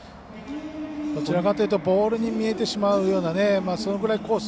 どちらかというとボールに見えてしまうようなそのぐらいコース